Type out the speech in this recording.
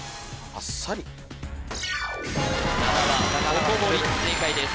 あっさり７番ほとぼり正解です